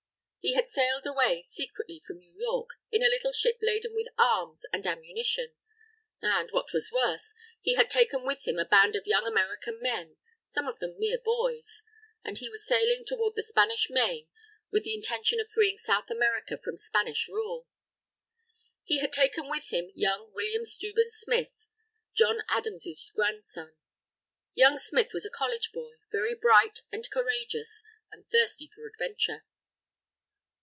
He had sailed away secretly from New York in a little ship laden with arms and ammunition. And, what was worse, he had taken with him a band of young American men, some of them mere boys; and he was sailing toward the Spanish main with the intention of freeing South America from Spanish rule. He had taken with him young William Steuben Smith, John Adams's grandson. Young Smith was a college boy, very bright and courageous, and thirsty for adventure.